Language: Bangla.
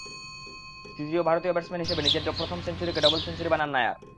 তৃতীয় ভারতীয় ব্যাটসম্যান হিসেবে নিজের প্রথম সেঞ্চুরিকে ডাবল সেঞ্চুরি বানান নায়ার।